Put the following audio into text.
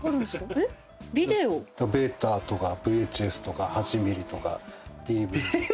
ベータとかＶＨＳとか８ｍｍとかＤＶＤとか。